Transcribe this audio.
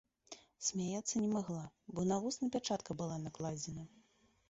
Смяяцца не магла, бо на вусны пячатка была накладзена.